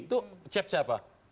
itu chat siapa